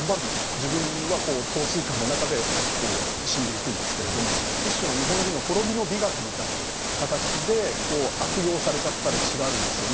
自分は陶酔下の中で死んでいくんですけれども一種の日本人の滅びの美学みたいな形で悪用されちゃった歴史があるんですよね。